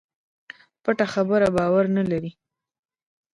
پټه خبره باور نه لري.